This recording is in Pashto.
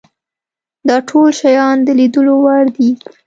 دا ټول شیان د لیدلو وړ دي.